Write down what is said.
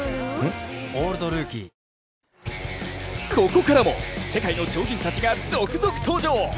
ここからも、世界の超人たちが続々登場。